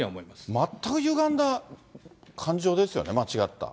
全くゆがんだ感情ですよね、間違った。